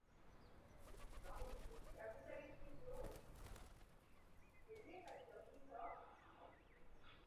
Tělo potřebuje své zásoby těchto látek pro činnost mozku a srdce.